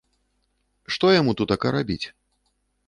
Што яму тутака рабіць?